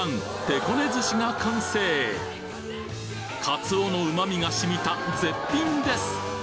てこね寿司が完成カツオの旨味が染みた絶品です！